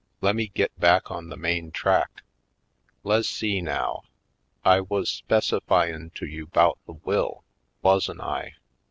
Lemme git back on the main track. Le's see, now? I wuz specifyin' to you 'bout the will, wuzn' I?